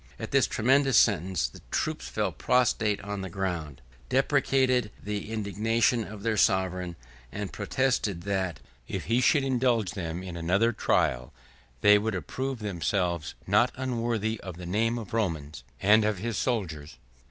At this tremendous sentence, the troops fell prostrate on the ground, deprecated the indignation of their sovereign, and protested, that, if he would indulge them in another trial, they would approve themselves not unworthy of the name of Romans, and of his soldiers.